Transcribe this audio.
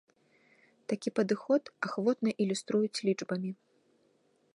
Такі падыход ахвотна ілюструюць лічбамі.